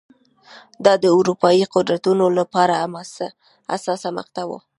دا د اروپايي قدرتونو لپاره حساسه مقطعه وه.